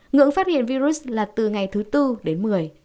ngưỡng phát hiện virus là từ ngày thứ tư đến một mươi